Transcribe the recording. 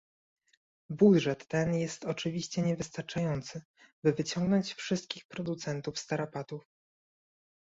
Budżet ten jest oczywiście niewystarczający, by wyciągnąć wszystkich producentów z tarapatów